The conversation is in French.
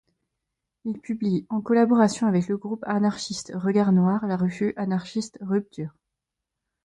Il publie, en collaboration avec le Groupe anarchiste Regard noir, la revue anarchiste Ruptures.